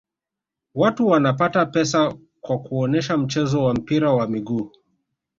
watu wanapata pesa kwa kuonesha mchezo wa mpira wa miguu